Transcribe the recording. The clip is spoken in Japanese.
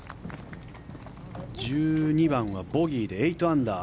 １２番はボギーで８アンダー